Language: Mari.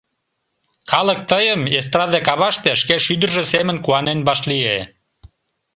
Калык тыйым эстраде каваште шке шӱдыржӧ семын куанен вашлие.